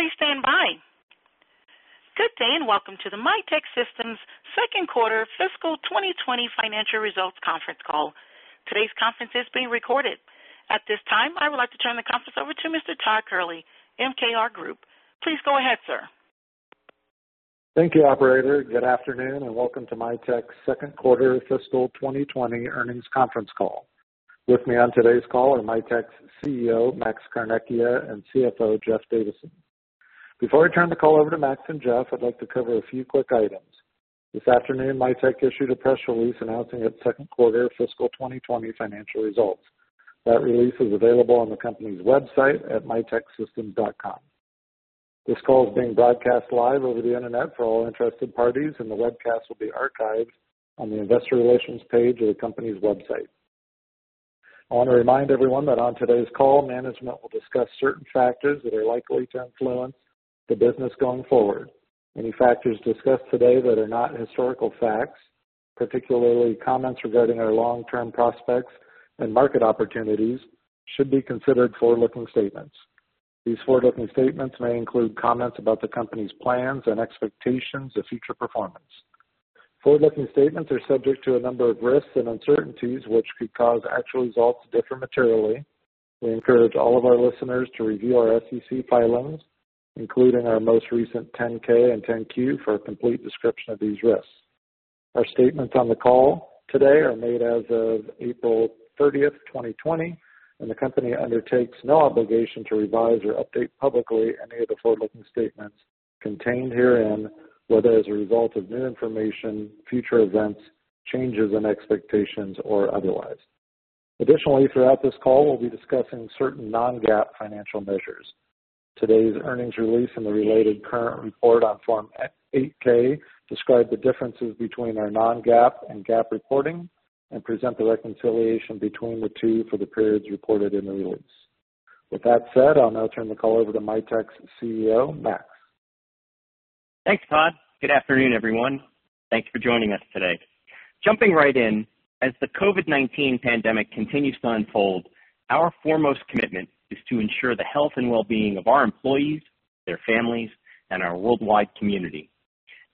Please stand by. Good day, and welcome to the Mitek Systems second quarter fiscal 2020 financial results conference call. Today's conference is being recorded. At this time, I would like to turn the conference over to Mr. Todd Kehrli, MKR Group. Please go ahead, sir. Thank you, operator. Good afternoon, and welcome to Mitek's second quarter fiscal 2020 earnings conference call. With me on today's call are Mitek's CEO, Max Carnecchia, and CFO, Jeff Davison. Before I turn the call over to Max and Jeff, I'd like to cover a few quick items. This afternoon, Mitek issued a press release announcing its second quarter fiscal 2020 financial results. That release is available on the company's website at miteksystems.com. This call is being broadcast live over the internet for all interested parties, and the webcast will be archived on the investor relations page of the company's website. I want to remind everyone that on today's call, management will discuss certain factors that are likely to influence the business going forward. Any factors discussed today that are not historical facts, particularly comments regarding our long-term prospects and market opportunities, should be considered forward-looking statements. These forward-looking statements may include comments about the company's plans and expectations of future performance. Forward-looking statements are subject to a number of risks and uncertainties, which could cause actual results to differ materially. We encourage all of our listeners to review our SEC filings, including our most recent 10-K and 10-Q for a complete description of these risks. Our statements on the call today are made as of April 30th, 2020, and the company undertakes no obligation to revise or update publicly any of the forward-looking statements contained herein, whether as a result of new information, future events, changes in expectations, or otherwise. Additionally, throughout this call, we'll be discussing certain non-GAAP financial measures. Today's earnings release and the related current report on Form 8-K describe the differences between our non-GAAP and GAAP reporting and present the reconciliation between the two for the periods reported in the release. With that said, I'll now turn the call over to Mitek's CEO, Max. Thanks, Todd. Good afternoon, everyone. Thanks for joining us today. Jumping right in, as the COVID-19 pandemic continues to unfold, our foremost commitment is to ensure the health and wellbeing of our employees, their families, and our worldwide community.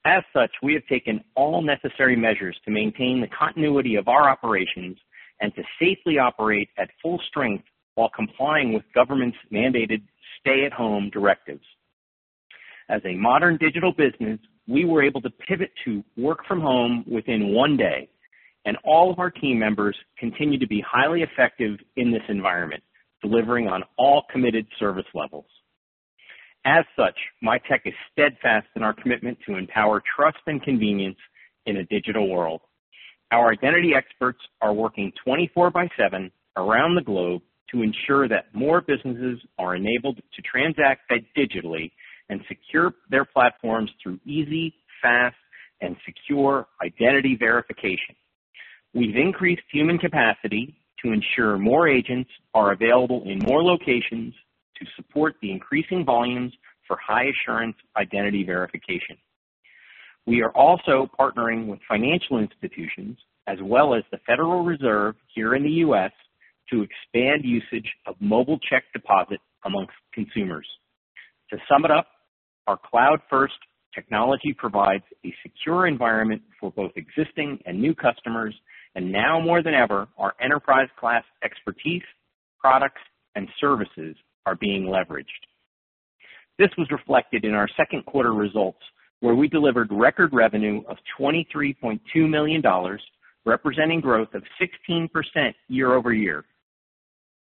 As such, we have taken all necessary measures to maintain the continuity of our operations and to safely operate at full strength while complying with government's mandated stay-at-home directives. As a modern digital business, we were able to pivot to work from home within one day, and all of our team members continue to be highly effective in this environment, delivering on all committed service levels. As such, Mitek is steadfast in our commitment to empower trust and convenience in a digital world. Our identity experts are working 24 by 7 around the globe to ensure that more businesses are enabled to transact digitally and secure their platforms through easy, fast, and secure identity verification. We've increased human capacity to ensure more agents are available in more locations to support the increasing volumes for high-assurance identity verification. We are also partnering with financial institutions as well as the Federal Reserve here in the U.S. to expand usage of Mobile Deposit amongst consumers. To sum it up, our cloud-first technology provides a secure environment for both existing and new customers, and now more than ever, our enterprise-class expertise, products, and services are being leveraged. This was reflected in our second quarter results, where we delivered record revenue of $23.2 million, representing growth of 16% year-over-year.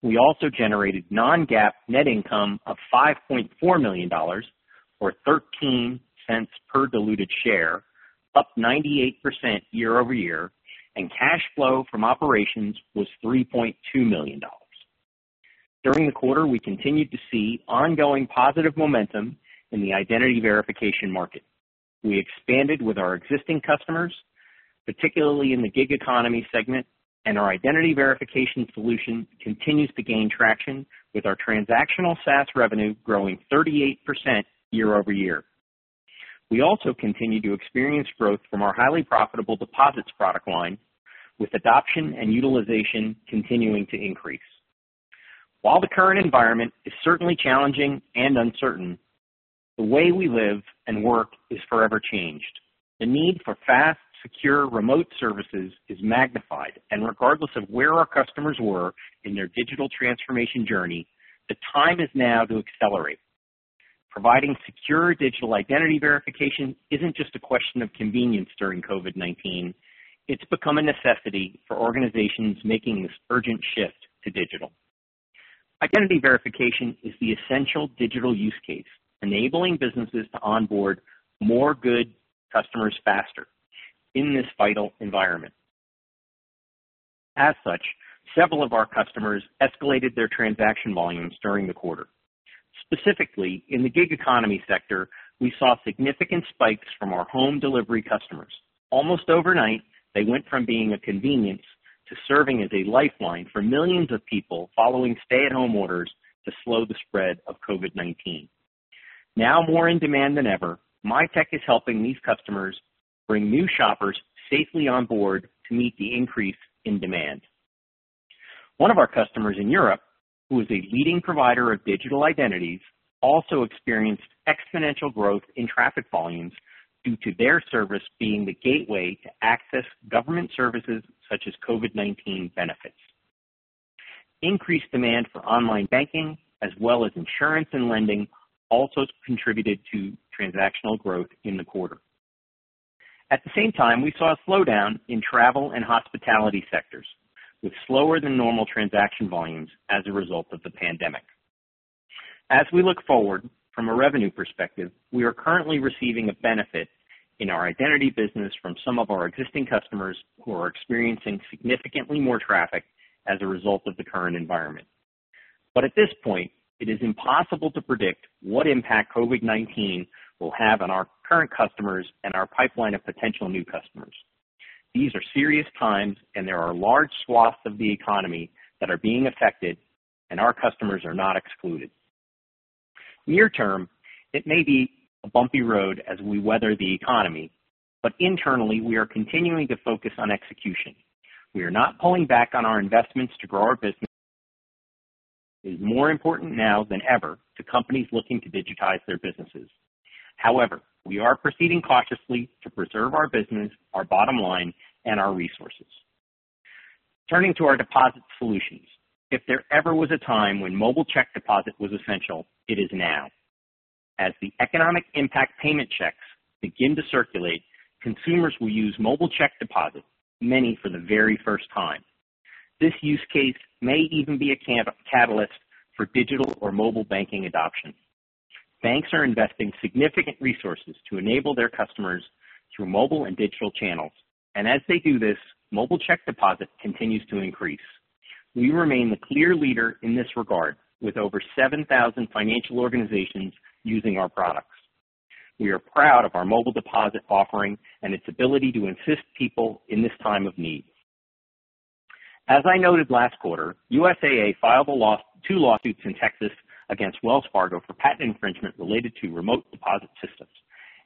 We also generated non-GAAP net income of $5.4 million or $0.13 per diluted share, up 98% year-over-year, and cash flow from operations was $3.2 million. During the quarter, we continued to see ongoing positive momentum in the identity verification market. We expanded with our existing customers, particularly in the gig economy segment, and our identity verification solution continues to gain traction with our transactional SaaS revenue growing 38% year-over-year. We also continue to experience growth from our highly profitable deposits product line, with adoption and utilization continuing to increase. While the current environment is certainly challenging and uncertain, the way we live and work is forever changed. The need for fast, secure, remote services is magnified, and regardless of where our customers were in their digital transformation journey, the time is now to accelerate. Providing secure digital identity verification isn't just a question of convenience during COVID-19, it's become a necessity for organizations making this urgent shift to digital. Identity verification is the essential digital use case, enabling businesses to onboard more good customers faster in this vital environment. As such, several of our customers escalated their transaction volumes during the quarter. Specifically, in the gig economy sector, we saw significant spikes from our home delivery customers. Almost overnight, they went from being a convenience to serving as a lifeline for millions of people following stay-at-home orders to slow the spread of COVID-19. Now more in demand than ever, Mitek is helping these customers bring new shoppers safely on board to meet the increase in demand. One of our customers in Europe, who is a leading provider of digital identities, also experienced exponential growth in traffic volumes due to their service being the gateway to access government services such as COVID-19 benefits. Increased demand for online banking, as well as insurance and lending, also contributed to transactional growth in the quarter. At the same time, we saw a slowdown in travel and hospitality sectors, with slower than normal transaction volumes as a result of the pandemic. As we look forward from a revenue perspective, we are currently receiving a benefit in our identity business from some of our existing customers who are experiencing significantly more traffic as a result of the current environment. At this point, it is impossible to predict what impact COVID-19 will have on our current customers and our pipeline of potential new customers. These are serious times, and there are large swaths of the economy that are being affected, and our customers are not excluded. Near term, it may be a bumpy road as we weather the economy, but internally, we are continuing to focus on execution. We are not pulling back on our investments to grow our business. It is more important now than ever to companies looking to digitize their businesses. However, we are proceeding cautiously to preserve our business, our bottom line, and our resources. Turning to our deposit solutions. If there ever was a time when mobile check deposit was essential, it is now. As the economic impact payment checks begin to circulate, consumers will use Mobile Deposit, many for the very first time. This use case may even be a catalyst for digital or mobile banking adoption. Banks are investing significant resources to enable their customers through mobile and digital channels, and as they do this, Mobile Deposit continues to increase. We remain the clear leader in this regard, with over 7,000 financial organizations using our products. We are proud of our Mobile Deposit offering and its ability to assist people in this time of need. As I noted last quarter, USAA filed two lawsuits in Texas against Wells Fargo for patent infringement related to remote deposit systems,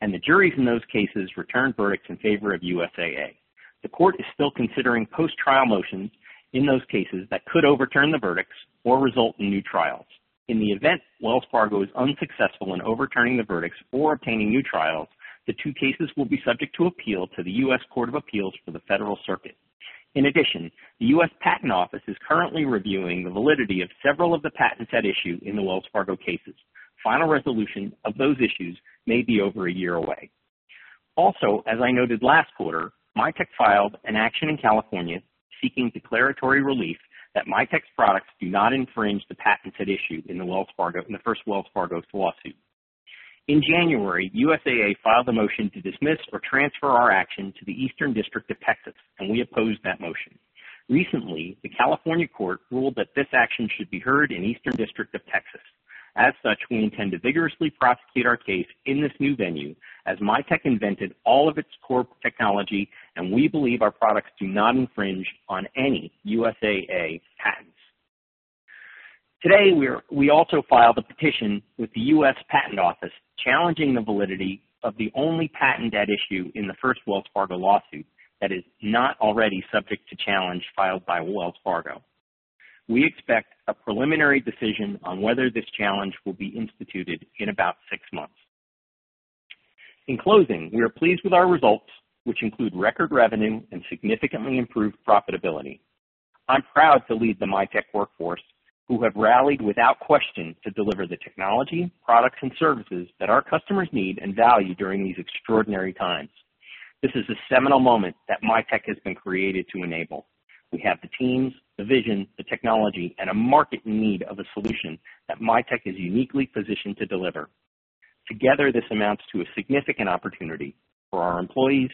and the juries in those cases returned verdicts in favor of USAA. The court is still considering post-trial motions in those cases that could overturn the verdicts or result in new trials. In the event Wells Fargo is unsuccessful in overturning the verdicts or obtaining new trials, the two cases will be subject to appeal to the United States Court of Appeals for the Federal Circuit. The United States Patent and Trademark Office is currently reviewing the validity of several of the patents at issue in the Wells Fargo cases. Final resolution of those issues may be over a year away. As I noted last quarter, Mitek filed an action in California seeking declaratory relief that Mitek's products do not infringe the patents at issue in the first Wells Fargo lawsuit. In January, USAA filed a motion to dismiss or transfer our action to the Eastern District of Texas, and we opposed that motion. Recently, the California court ruled that this action should be heard in Eastern District of Texas. As such, we intend to vigorously prosecute our case in this new venue as Mitek invented all of its core technology, and we believe our products do not infringe on any USAA patents. Today, we also filed a petition with the U.S. Patent Office challenging the validity of the only patent at issue in the first Wells Fargo lawsuit that is not already subject to challenge filed by Wells Fargo. We expect a preliminary decision on whether this challenge will be instituted in about six months. In closing, we are pleased with our results, which include record revenue and significantly improved profitability. I'm proud to lead the Mitek workforce, who have rallied without question to deliver the technology, products, and services that our customers need and value during these extraordinary times. This is a seminal moment that Mitek has been created to enable. We have the teams, the vision, the technology, and a market in need of a solution that Mitek is uniquely positioned to deliver. Together, this amounts to a significant opportunity for our employees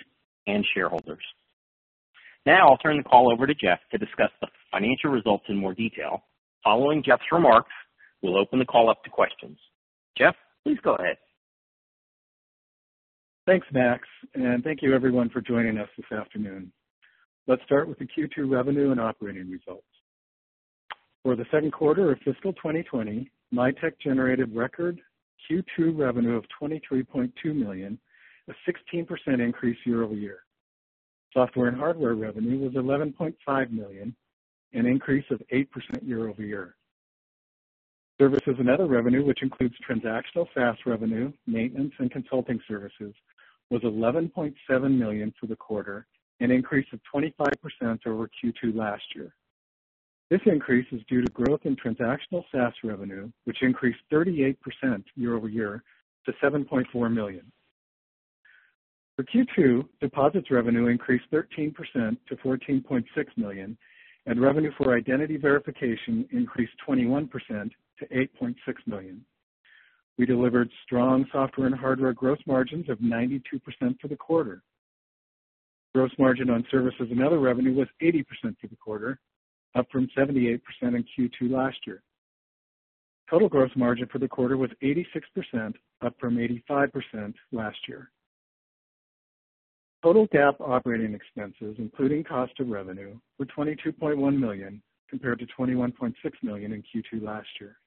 and shareholders. Now I'll turn the call over to Jeff to discuss the financial results in more detail. Following Jeff's remarks, we'll open the call up to questions. Jeff, please go ahead. Thanks, Max, and thank you everyone for joining us this afternoon. Let's start with the Q2 revenue and operating results. For the second quarter of fiscal 2020, Mitek generated record Q2 revenue of $23.2 million, a 16% increase year-over-year. Software and hardware revenue was $11.5 million, an increase of 8% year-over-year. Services and other revenue, which includes transactional SaaS revenue, maintenance, and consulting services, was $11.7 million for the quarter, an increase of 25% over Q2 last year. This increase is due to growth in transactional SaaS revenue, which increased 38% year-over-year to $7.4 million. For Q2, deposits revenue increased 13% to $14.6 million, and revenue for identity verification increased 21% to $8.6 million. We delivered strong software and hardware gross margins of 92% for the quarter. Gross margin on services and other revenue was 80% for the quarter, up from 78% in Q2 last year. Total gross margin for the quarter was 86%, up from 85% last year. Total GAAP operating expenses, including cost of revenue, were $22.1 million, compared to $21.6 million in Q2 last year.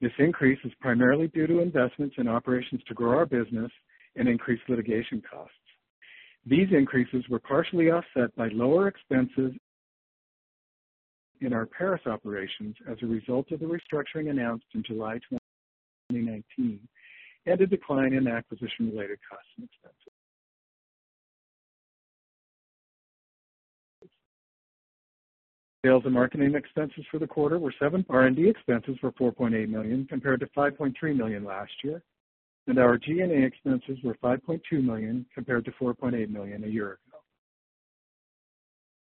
This increase is primarily due to investments in operations to grow our business and increase litigation costs. These increases were partially offset by lower expenses in our Paris operations as a result of the restructuring announced in July 2019, and a decline in acquisition-related costs and expenses. Sales and marketing expenses for the quarter were $7.45 million. R&D expenses were $4.8 million compared to $5.3 million last year. Our G&A expenses were $5.2 million compared to $4.8 million a year ago.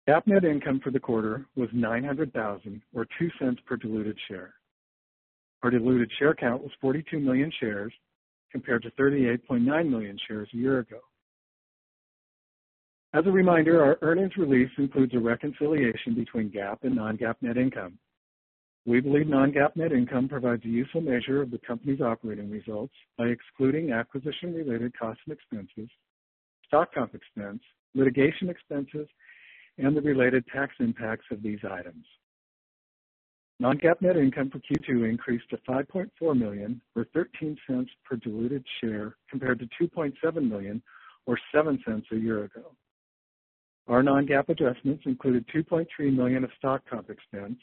GAAP net income for the quarter was $900,000 or $0.02 per diluted share. Our diluted share count was 42 million shares compared to 38.9 million shares a year ago. As a reminder, our earnings release includes a reconciliation between GAAP and non-GAAP net income. We believe non-GAAP net income provides a useful measure of the company's operating results by excluding acquisition-related costs and expenses, stock comp expense, litigation expenses, and the related tax impacts of these items. Non-GAAP net income for Q2 increased to $5.4 million or $0.13 per diluted share compared to $2.7 million or $0.07 a year ago. Our non-GAAP adjustments included $2.3 million of stock comp expense,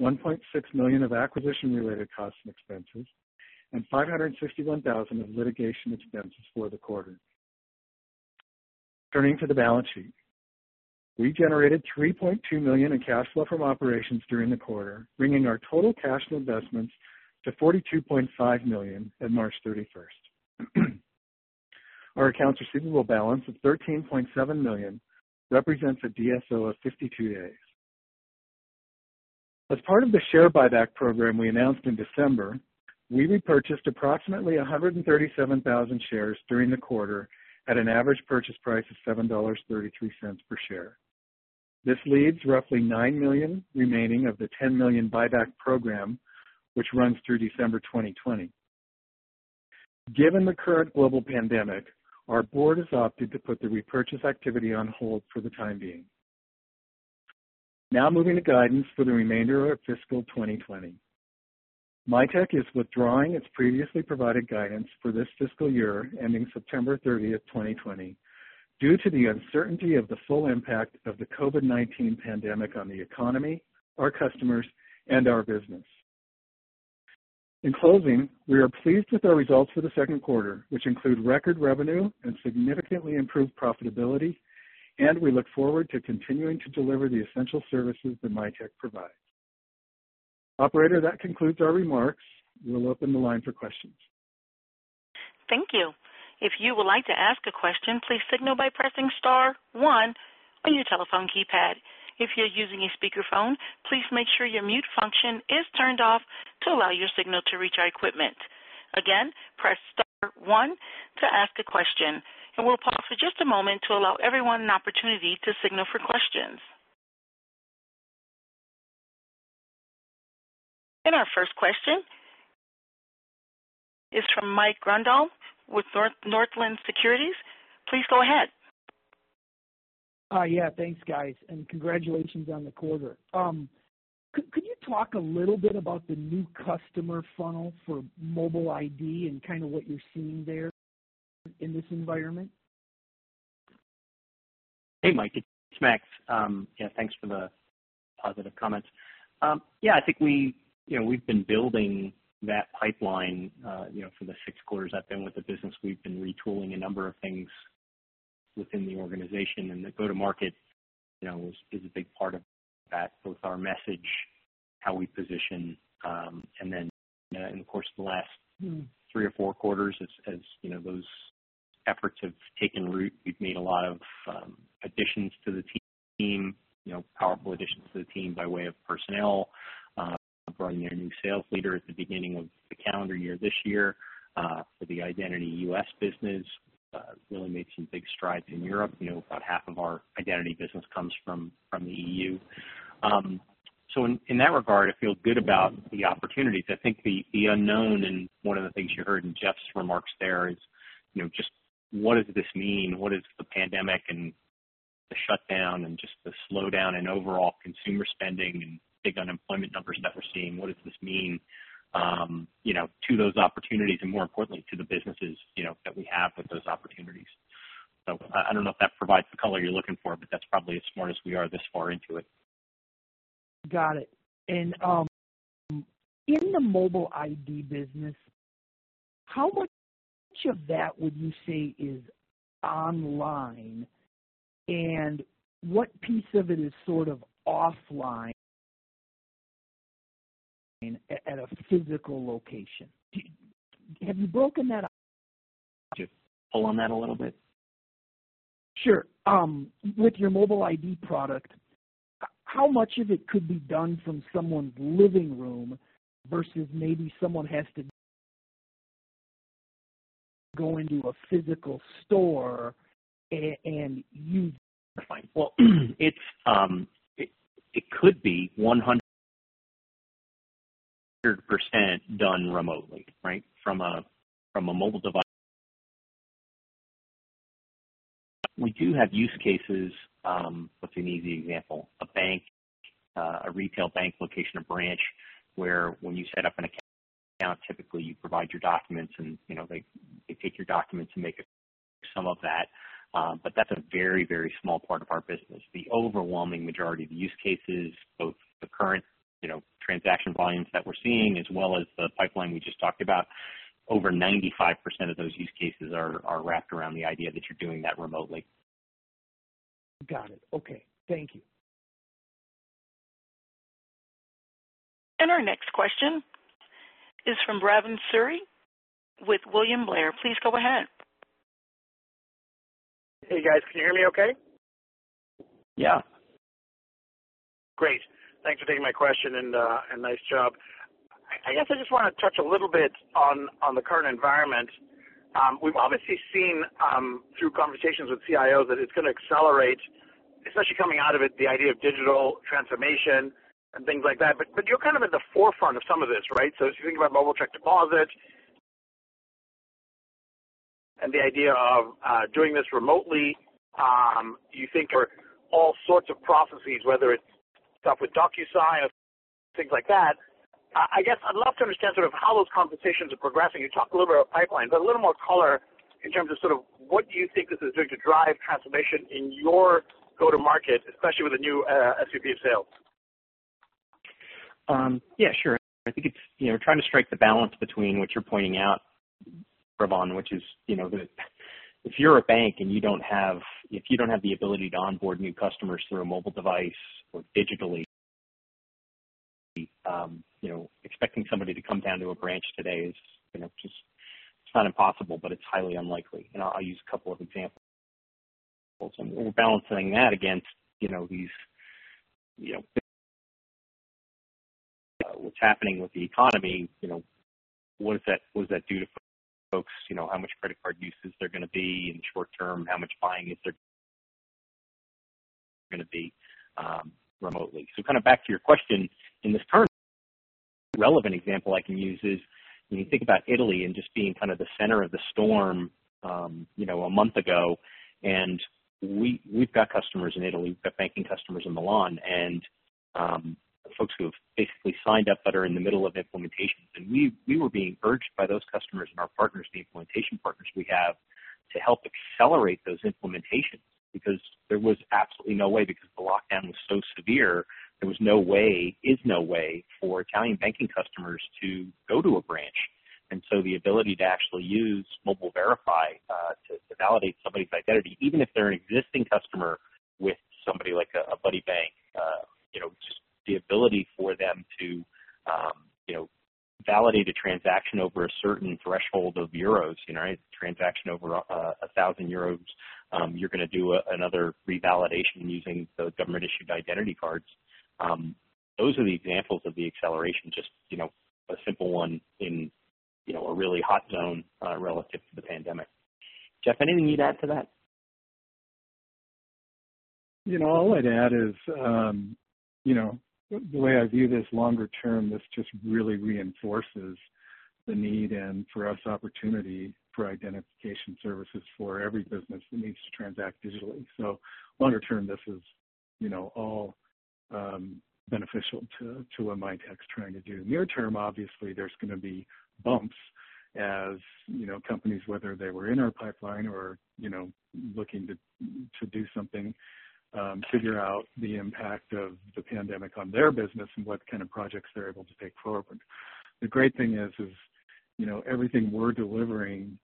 $1.6 million of acquisition-related costs and expenses, and $551,000 of litigation expenses for the quarter. Turning to the balance sheet. We generated $3.2 million in cash flow from operations during the quarter, bringing our total cash and investments to $42.5 million at March 31st. Our accounts receivable balance of $13.7 million represents a DSO of 52 days. As part of the share buyback program we announced in December, we repurchased approximately 137,000 shares during the quarter at an average purchase price of $7.33 per share. This leaves roughly $9 million remaining of the $10 million buyback program, which runs through December 2020. Given the current global pandemic, our board has opted to put the repurchase activity on hold for the time being. Moving to guidance for the remainder of fiscal 2020. Mitek is withdrawing its previously provided guidance for this fiscal year ending September 30, 2020, due to the uncertainty of the full impact of the COVID-19 pandemic on the economy, our customers, and our business. In closing, we are pleased with our results for the second quarter, which include record revenue and significantly improved profitability, and we look forward to continuing to deliver the essential services that Mitek provides. Operator, that concludes our remarks. We'll open the line for questions. Thank you. If you would like to ask a question, please signal by pressing star one on your telephone keypad. If you're using a speakerphone, please make sure your mute function is turned off to allow your signal to reach our equipment. Again, press star one to ask a question, and we'll pause for just a moment to allow everyone an opportunity to signal for questions. Our first question is from Mike Grondahl with Northland Securities. Please go ahead. Yeah. Thanks, guys, and congratulations on the quarter. Could you talk a little bit about the new customer funnel for Mobile ID and kind of what you're seeing there in this environment? Hey, Mike, it's Max. Yeah, thanks for the positive comments. Yeah, I think we've been building that pipeline for the six quarters I've been with the business. We've been retooling a number of things within the organization. The go-to market is a big part of that, both our message, how we position, and then in the course of the last three or four quarters, as those efforts have taken root, we've made a lot of additions to the team, powerful additions to the team by way of personnel, bringing in a new sales leader at the beginning of the calendar year this year for the Identity U.S. business. Really made some big strides in Europe. About half of our Identity business comes from the EU. In that regard, I feel good about the opportunities. I think the unknown and one of the things you heard in Jeff's remarks there is just what does this mean? What is the pandemic, and the shutdown, and just the slowdown in overall consumer spending, and big unemployment numbers that we're seeing, what does this mean to those opportunities and more importantly, to the businesses that we have with those opportunities? I don't know if that provides the color you're looking for, but that's probably as smart as we are this far into it. Got it. In the Mobile ID business, how much of that would you say is online, and what piece of it is sort of offline at a physical location? Have you broken that? Just pull on that a little bit? Sure. With your Mobile ID product, how much of it could be done from someone's living room versus maybe someone has to go into a physical store? Well, it could be 100% done remotely, right, from a mobile device. We do have use cases. What's an easy example? A retail bank location or branch where when you set up an account, typically you provide your documents and they take your documents and make a copy or some of that. That's a very, very small part of our business. The overwhelming majority of use cases, both the current transaction volumes that we're seeing as well as the pipeline we just talked about, over 95% of those use cases are wrapped around the idea that you're doing that remotely. Got it. Okay. Thank you. Our next question is from Bhavan Suri with William Blair. Please go ahead. Hey, guys. Can you hear me okay? Yeah. Great. Thanks for taking my question and nice job. I guess I just want to touch a little bit on the current environment. We've obviously seen through conversations with CIOs that it's going to accelerate, especially coming out of it, the idea of digital transformation and things like that. You're kind of at the forefront of some of this, right? If you think about mobile check deposit and the idea of doing this remotely, you think there are all sorts of processes, whether it's stuff with DocuSign or things like that. I guess I'd love to understand sort of how those conversations are progressing. You talked a little bit about pipeline, but a little more color in terms of sort of what you think this is doing to drive transformation in your go-to-market, especially with the new SVP of Sales. Yeah, sure. I think it's trying to strike the balance between what you're pointing out, Bhavan, which is that if you're a bank and if you don't have the ability to onboard new customers through a mobile device or digitally, expecting somebody to come down to a branch today is It's not impossible, but it's highly unlikely. I'll use a couple of examples. We're balancing that against what's happening with the economy. What does that do to folks? How much credit card uses there are going to be in the short term, how much buying is there going to be remotely. Kind of back to your question. In this current relevant example I can use is when you think about Italy and just being kind of the center of the storm a month ago, and we've got customers in Italy, we've got banking customers in Milan, and folks who have basically signed up but are in the middle of implementation. We were being urged by those customers and our partners, the implementation partners we have, to help accelerate those implementations because there was absolutely no way, because the lockdown was so severe, there was no way for Italian banking customers to go to a branch. The ability to actually use Mobile Verify to validate somebody's identity, even if they're an existing customer with somebody like a buddybank just the ability for them to validate a transaction over a certain threshold of euros. A transaction over 1,000 euros you're going to do another revalidation using those government-issued identity cards. Those are the examples of the acceleration. Just a simple one in a really hot zone relative to the pandemic. Jeff, anything you'd add to that? All I'd add is the way I view this longer term, this just really reinforces the need and for us, opportunity for identification services for every business that needs to transact digitally. Longer term, this is all beneficial to what Mitek's trying to do. Near term, obviously, there's going to be bumps as companies, whether they were in our pipeline or looking to do something figure out the impact of the pandemic on their business and what kind of projects they're able to take forward. The great thing is everything we're delivering,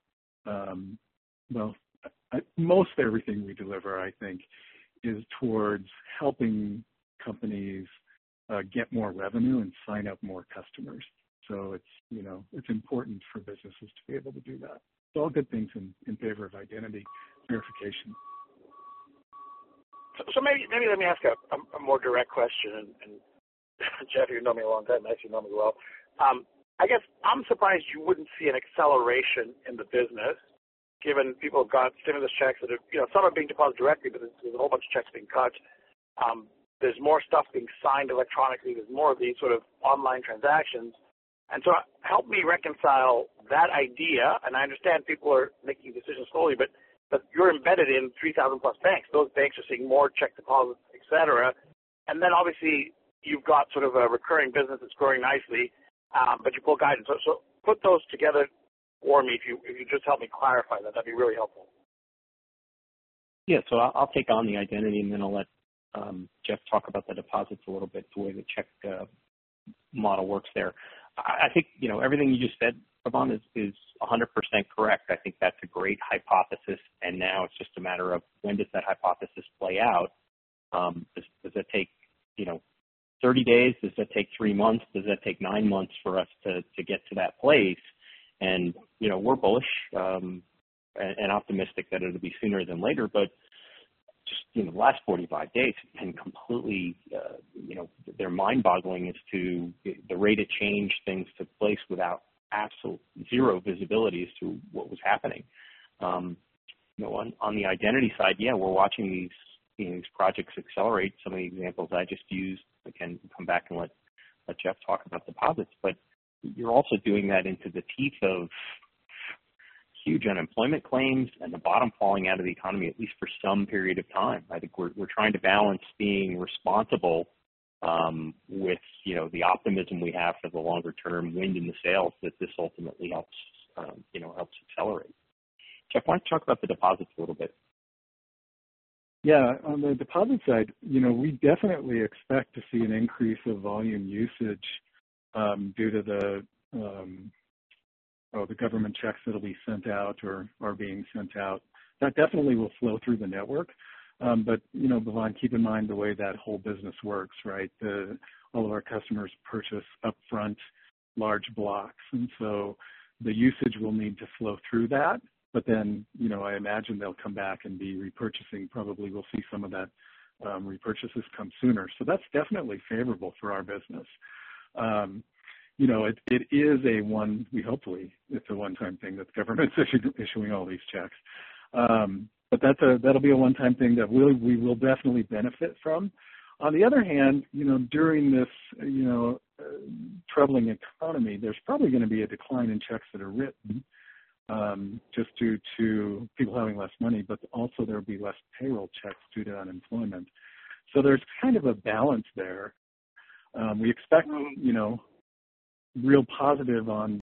well, most everything we deliver, I think, is towards helping companies get more revenue and sign up more customers. It's important for businesses to be able to do that. It's all good things in favor of identity verification. Maybe let me ask a more direct question, and Jeff, you've known me a long time, actually know me well. I guess I'm surprised you wouldn't see an acceleration in the business given people have got stimulus checks that some are being deposited directly, but there's a whole bunch of checks being cut. There's more stuff being signed electronically. There's more of these sort of online transactions. Help me reconcile that idea, and I understand people are making decisions slowly, but you're embedded in 3,000+ banks. Those banks are seeing more check deposits, et cetera. Then obviously you've got sort of a recurring business that's growing nicely. You pull guidance. Put those together for me. If you just help me clarify that'd be really helpful. Yeah. I'll take on the identity, and then I'll let Jeff talk about the deposits a little bit, the way the check model works there. I think everything you just said, Bhavan, is 100% correct. I think that's a great hypothesis, and now it's just a matter of when does that hypothesis play out? Does that take 30 days? Does that take three months? Does that take nine months for us to get to that place? We're bullish and optimistic that it'll be sooner than later, but just the last 45 days have been completely mind-boggling as to the rate of change things took place without absolute zero visibility as to what was happening. On the identity side, yeah, we're watching these projects accelerate. Some of the examples I just used. Again, come back and let Jeff talk about deposits. You're also doing that into the teeth of huge unemployment claims and the bottom falling out of the economy, at least for some period of time. I think we're trying to balance being responsible with the optimism we have for the longer-term wind in the sails that this ultimately helps accelerate. Jeff, why don't you talk about the deposits a little bit? Yeah. On the deposit side, we definitely expect to see an increase of volume usage due to the government checks that'll be sent out or are being sent out. That definitely will flow through the network. Bhavan, keep in mind the way that whole business works, right? All of our customers purchase upfront large blocks, the usage will need to flow through that. I imagine they'll come back and be repurchasing. Probably we'll see some of that repurchases come sooner. That's definitely favorable for our business. Hopefully, it's a one-time thing that the government's issuing all these checks. That'll be a one-time thing that we will definitely benefit from. On the other hand, during this troubling economy, there's probably going to be a decline in checks that are written, just due to people having less money, but also there'll be less payroll checks due to unemployment. There's kind of a balance there. We expect real positive on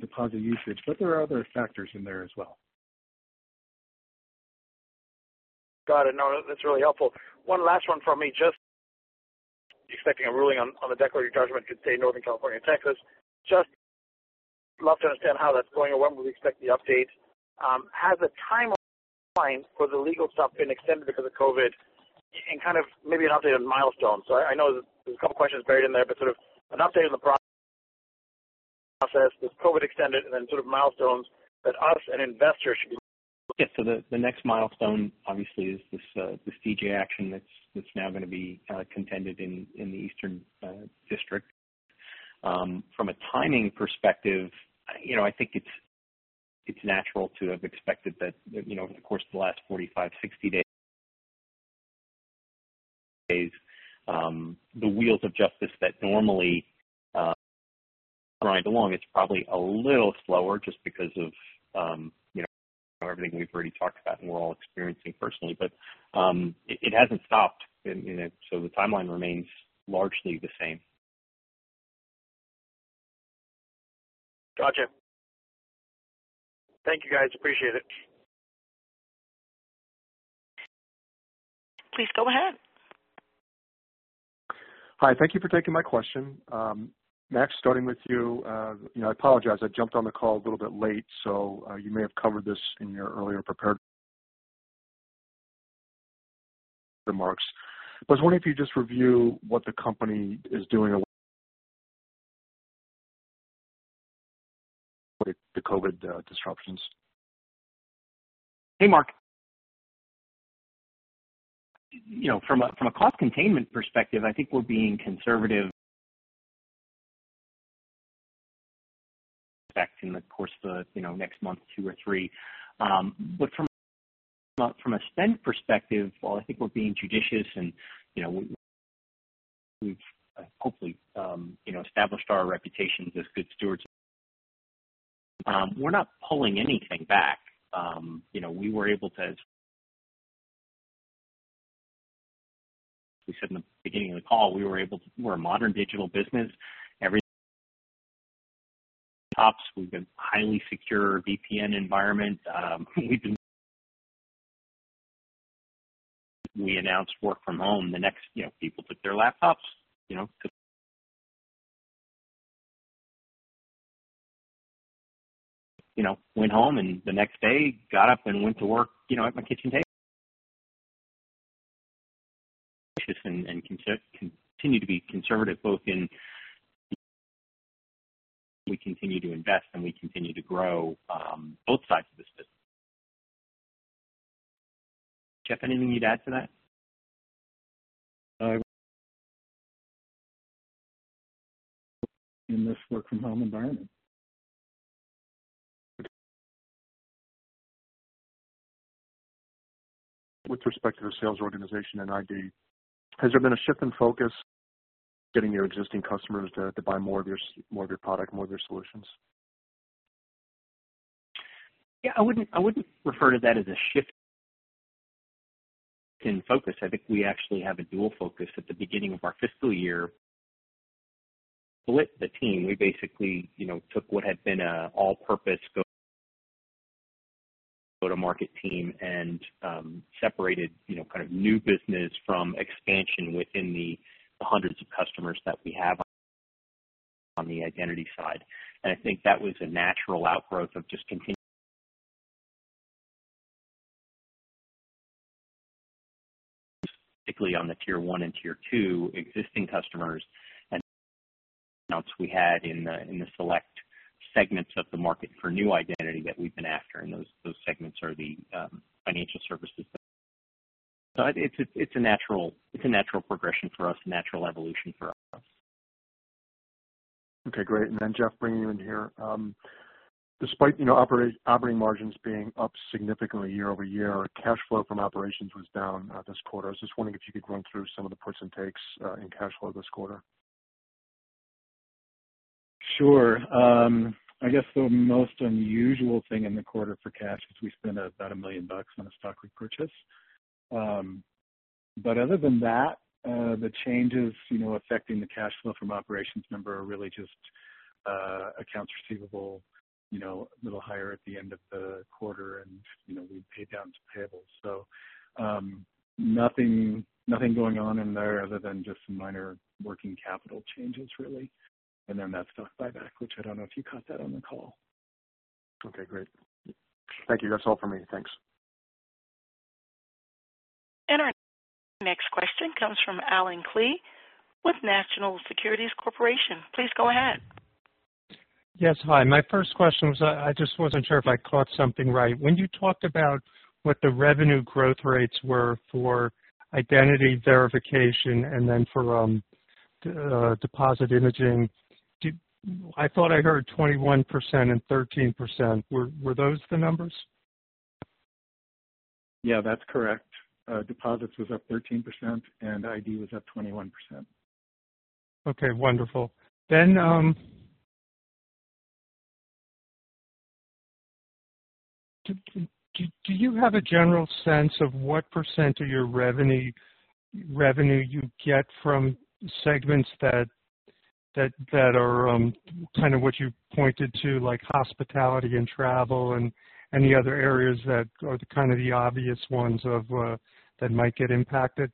deposit usage, but there are other factors in there as well. Got it. No, that's really helpful. One last one from me. Expecting a ruling on the declaratory judgment against, say, Northern California and Texas. Love to understand how that's going and when we would expect the update. Has the timeline for the legal stuff been extended because of COVID, and kind of maybe an update on milestones? I know there's two questions buried in there, but sort of an update on the process with COVID extended. The next milestone obviously is this DJ action that's now going to be contended in the Eastern District. From a timing perspective, I think it's natural to have expected that over the course of the last 45, 60 days, the wheels of justice that normally grind along, it's probably a little slower just because of everything we've already talked about and we're all experiencing personally. It hasn't stopped. The timeline remains largely the same. Gotcha. Thank you, guys. Appreciate it. Please go ahead. Hi. Thank you for taking my question. Max, starting with you. I apologize, I jumped on the call a little bit late, so you may have covered this in your earlier prepared remarks. I was wondering if you'd just review what the company is doing, the COVID-19 disruptions. Hey, Mark. From a cost containment perspective, I think we're being conservative in the course of the next month, two or three. From a spend perspective, while I think we're being judicious and we've hopefully established our reputations as good stewards. We're not pulling anything back. We said in the beginning of the call, we're a modern digital business. Tops. We've been highly secure VPN environment. We announced work from home. People took their laptops, went home, and the next day got up and went to work at my kitchen table. Judicious and continue to be conservative. We continue to invest and we continue to grow both sides of this business. Jeff, anything you'd add to that? in this work-from-home environment. With respect to the sales organization and ID, has there been a shift in focus getting your existing customers to buy more of your product, more of your solutions? Yeah, I wouldn't refer to that as a shift in focus. I think we actually have a dual focus. At the beginning of our fiscal year, split the team. We basically took what had been an all-purpose go-to-market team and separated new business from expansion within the hundreds of customers that we have on the identity side. I think that was a natural outgrowth of just particularly on the tier one and tier two existing customers accounts we had in the select segments of the market for new identity that we've been after. Those segments are the financial services. It's a natural progression for us, a natural evolution for us. Okay, great. Jeff, bringing you in here. Despite operating margins being up significantly year-over-year, cash flow from operations was down this quarter. I was just wondering if you could run through some of the puts and takes in cash flow this quarter. Sure. I guess the most unusual thing in the quarter for cash is we spent about $1 million on a stock repurchase. Other than that, the changes affecting the cash flow from operations number are really just accounts receivable, a little higher at the end of the quarter, and we paid down some payables. Nothing going on in there other than just some minor working capital changes, really. That stock buyback, which I don't know if you caught that on the call. Okay, great. Thank you. That's all for me. Thanks. Our next question comes from Allen Klee with National Securities Corporation. Please go ahead. Yes. Hi. My first question was, I just wasn't sure if I caught something right. When you talked about what the revenue growth rates were for identity verification and then for deposit imaging, I thought I heard 21% and 13%. Were those the numbers? Yeah, that's correct. Deposits was up 13% and ID was up 21%. Okay, wonderful. Do you have a general sense of what percentage of your revenue you get from segments that are what you pointed to, like hospitality and travel and any other areas that are the obvious ones that might get impacted?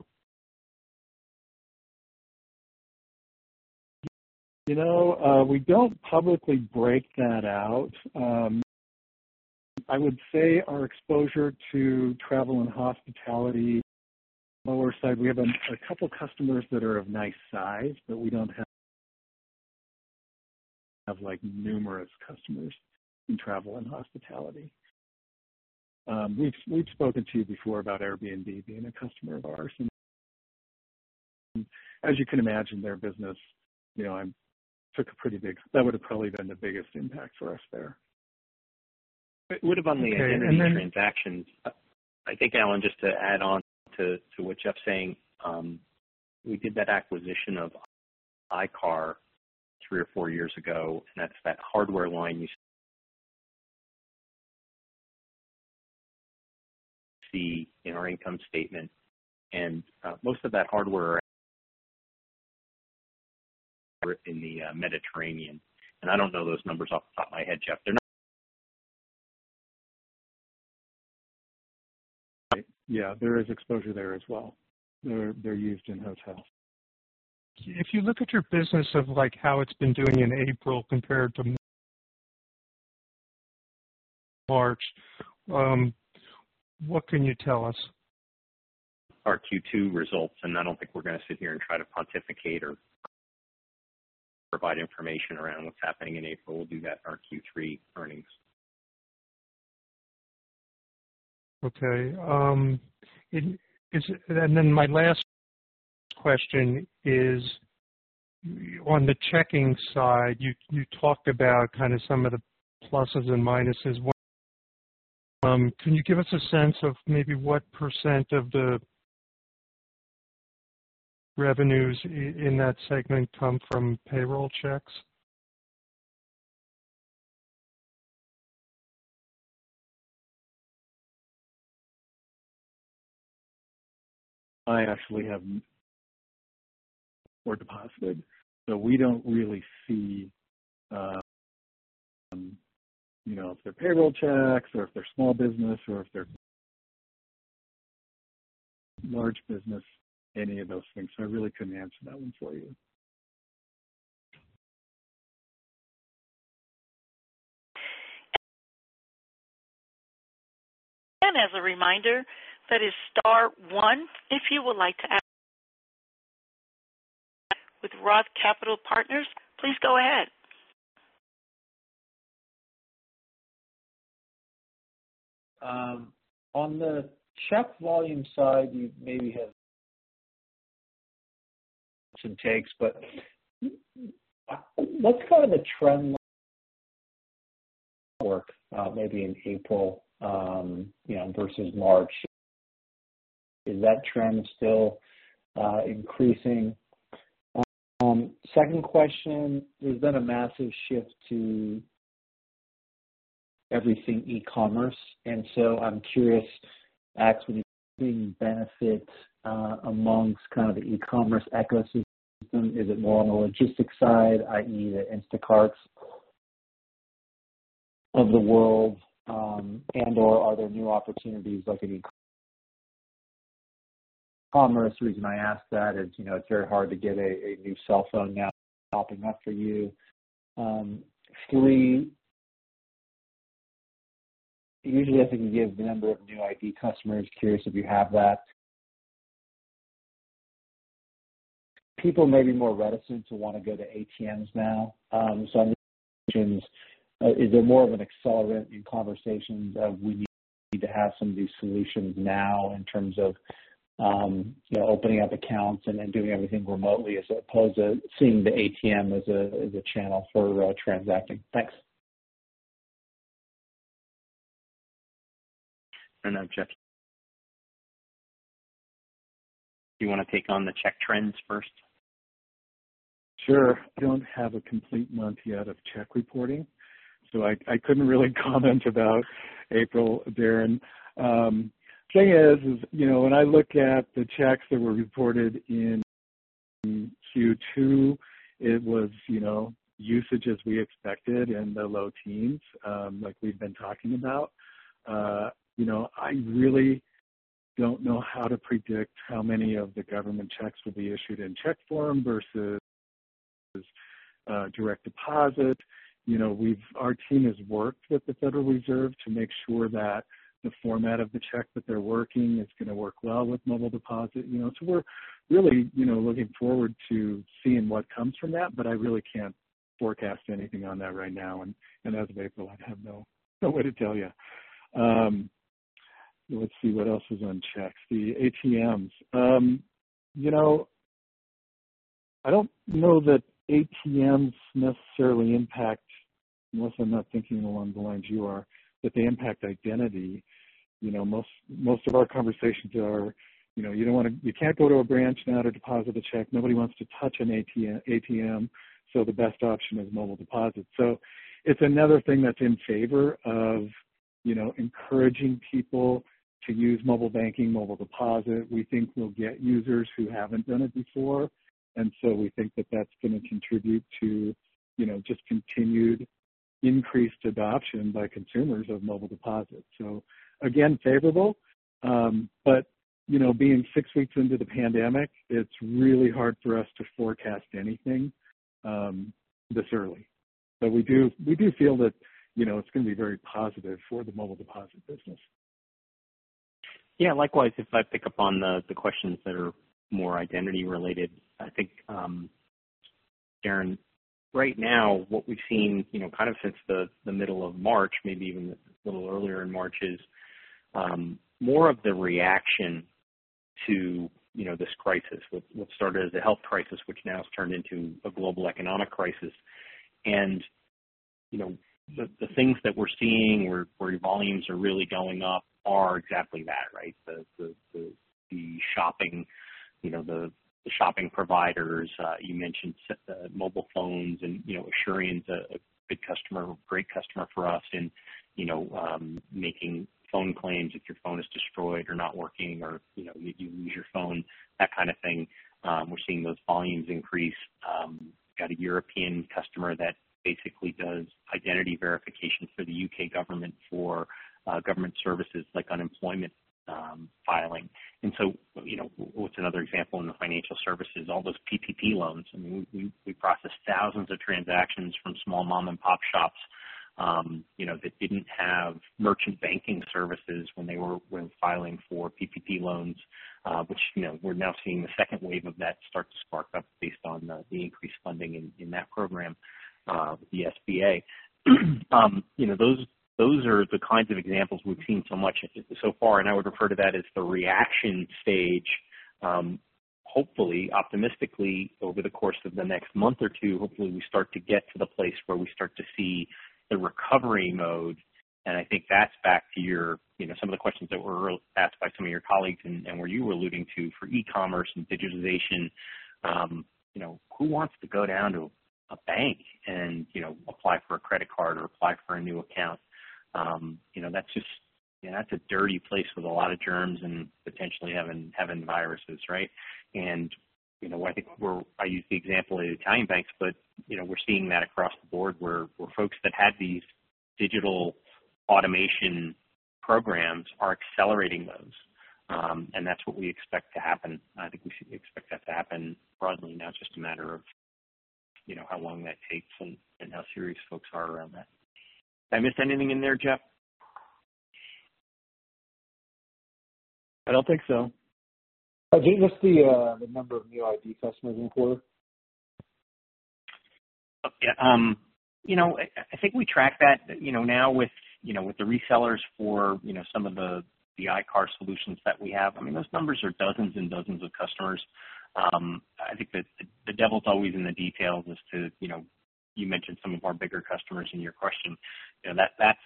We don't publicly break that out. I would say our exposure to travel and hospitality, lower side. We have a couple customers that are of nice size, but we don't have numerous customers in travel and hospitality. We've spoken to you before about Airbnb being a customer of ours, and as you can imagine, their business took a pretty big, that would've probably been the biggest impact for us there. It would've been the identity transactions. I think, Allen, just to add on to what Jeff's saying, we did that acquisition of ICAR three or four years ago, and that's that hardware line you see in our income statement. Most of that hardware in the Mediterranean. I don't know those numbers off the top of my head, Jeff. They're not. Yeah, there is exposure there as well. They're used in hotels. If you look at your business of how it's been doing in April compared to March, what can you tell us? Our Q2 results, I don't think we're going to sit here and try to pontificate or provide information around what's happening in April. We'll do that in our Q3 earnings. Okay. My last question is, on the checking side, you talked about some of the pluses and minuses. Can you give us a sense of maybe what % of the revenues in that segment come from payroll checks? I actually have were deposited. We don't really see if they're payroll checks or if they're small business or if they're large business, any of those things. I really couldn't answer that one for you. As a reminder, that is star one if you would like to ask With Roth Capital Partners, please go ahead. On the check volume side, you maybe had some takes, but what's a trend work, maybe in April, versus March. Is that trend still increasing? Second question. There's been a massive shift to everything e-commerce. I'm curious as to seeing benefits amongst the e-commerce ecosystem. Is it more on the logistics side, i.e., the Instacart of the world, and/or are there new opportunities like an e-commerce? The reason I ask that is it's very hard to get a new cell phone now popping up for you. Three, usually I think you give the number of new ID customers. Curious if you have that. People may be more reticent to want to go to ATMs now. I'm wondering, is it more of an accelerant in conversations that we need to have some of these solutions now in terms of opening up accounts and then doing everything remotely as opposed to seeing the ATM as a channel for transacting? Thanks. Now Jeff. Do you want to take on the check trends first? Sure. Don't have a complete month yet of check reporting, so I couldn't really comment about April, Darren. Thing is, when I look at the checks that were reported in Q2, it was usage as we expected in the low teens, like we've been talking about. I really don't know how to predict how many of the government checks will be issued in check form versus direct deposit. Our team has worked with the Federal Reserve to make sure that the format of the check that they're working is going to work well with Mobile Deposit. We're really looking forward to seeing what comes from that, but I really can't forecast anything on that right now. As of April, I have no way to tell you. Let's see what else is on checks. The ATMs. I don't know that ATMs necessarily impact, unless I'm not thinking along the lines you are, that they impact identity. Most of our conversations are, you can't go to a branch now to deposit a check. Nobody wants to touch an ATM, the best option is Mobile Deposit. It's another thing that's in favor of encouraging people to use mobile banking, Mobile Deposit. We think we'll get users who haven't done it before, we think that that's going to contribute to just continued increased adoption by consumers of Mobile Deposits. Again, favorable. Being six weeks into the pandemic, it's really hard for us to forecast anything this early. We do feel that it's going to be very positive for the Mobile Deposit business. Yeah, likewise. If I pick up on the questions that are more identity-related, I think, Darren, right now, what we've seen since the middle of March, maybe even a little earlier in March, is more of the reaction to this crisis. What started as a health crisis, which now has turned into a global economic crisis. The things that we're seeing where volumes are really going up are exactly that, right? The shopping providers. You mentioned mobile phones, and Asurion's a good customer, a great customer for us in making phone claims if your phone is destroyed or not working or you lose your phone, that kind of thing. We're seeing those volumes increase. Got a European customer that basically does identity verification for the U.K. government for government services like unemployment filing. What's another example in the financial services? All those PPP loans. I mean, we processed thousands of transactions from small mom-and-pop shops that didn't have merchant banking services when filing for PPP loans which we're now seeing the second wave of that start to spark up based on the increased funding in that program, the SBA. Those are the kinds of examples we've seen so far. I would refer to that as the reaction stage. Hopefully, optimistically, over the course of the next month or two, hopefully, we start to get to the place where we start to see the recovery mode. I think that's back to some of the questions that were asked by some of your colleagues and where you were alluding to for e-commerce and digitization. Who wants to go down to a bank and apply for a credit card or apply for a new account? That's a dirty place with a lot of germs and potentially having viruses, right? I think I used the example of the Italian banks, but we're seeing that across the board where folks that had these digital automation programs are accelerating those. That's what we expect to happen. I think we should expect that to happen broadly. Now it's just a matter of how long that takes and how serious folks are around that. Did I miss anything in there, Jeff? I don't think so. Max, what's the number of new ID customers in quarter? I think we track that now with the resellers for some of the ICAR solutions that we have. I mean, those numbers are dozens and dozens of customers. I think that the devil's always in the details as to, you mentioned some of our bigger customers in your question. That's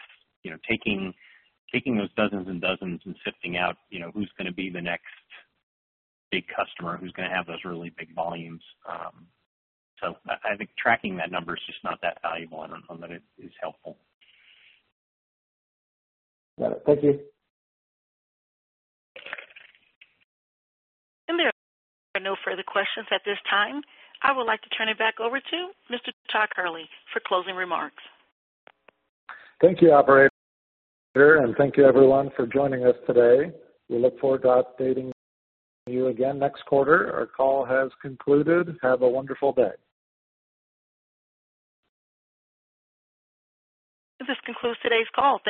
taking those dozens and dozens and sifting out who's going to be the next big customer, who's going to have those really big volumes. I think tracking that number is just not that valuable. I don't know that it is helpful. Got it. Thank you. There are no further questions at this time. I would like to turn it back over to Mr. Todd Kehrli for closing remarks. Thank you, operator. Thank you everyone for joining us today. We look forward to updating you again next quarter. Our call has concluded. Have a wonderful day. This concludes today's call.